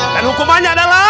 dan hukumannya adalah